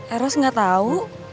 eros gak tahu